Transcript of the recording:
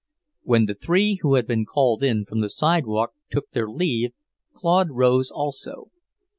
When the three who had been called in from the sidewalk took their leave, Claude rose also.